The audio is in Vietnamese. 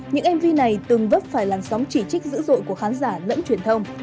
những mv này từng vấp phải làn sóng chỉ trích dữ dội của khán giả lẫn truyền thông